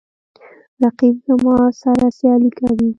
رقیب زما سره سیالي کوي